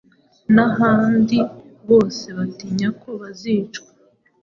n’ahandi, bose batinya ko bazicwa